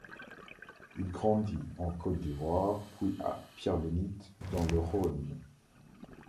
Il grandit en Côte d’Ivoire puis à Pierre-Bénite dans le Rhône.